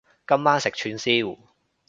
今晚食串燒